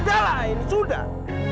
sudahlah ini sudah